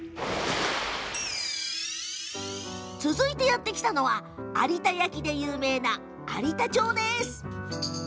続いてやって来たのは有田焼で有名な有田町です。